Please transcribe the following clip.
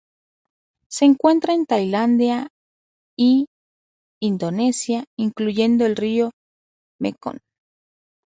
Se encuentra en Tailandia y Indonesia, incluyendo el río Mekong.